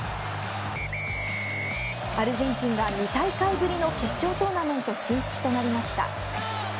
アルゼンチンが２大会ぶりの決勝トーナメント進出となりました。